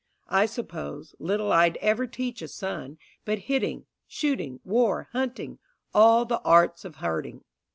I suppose Little I'd ever teach a son, but hitting, Shooting, war, hunting, all the arts of hurting.